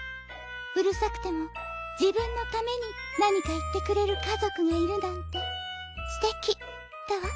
うるさくてもじぶんのためになにかいってくれるかぞくがいるなんてすてきだわ」。